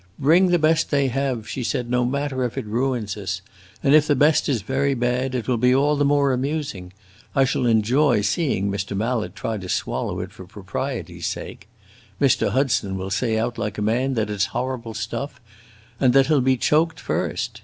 "Bring the best they have," she said, "no matter if it ruins us! And if the best is very bad, it will be all the more amusing. I shall enjoy seeing Mr. Mallet try to swallow it for propriety's sake! Mr. Hudson will say out like a man that it 's horrible stuff, and that he 'll be choked first!